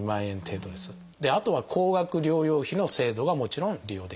あとは高額療養費の制度がもちろん利用できます。